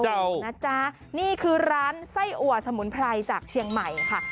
นะจ๊ะนี่คือร้านไส้อัวสมุนไพรจากเชียงใหม่ค่ะ